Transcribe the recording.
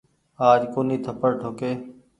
آج ڪونيٚ ٿپڙ ٺوڪي۔